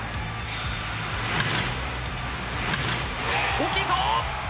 大きいぞ！